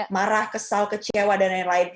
marah kesal kecewa dan lain lain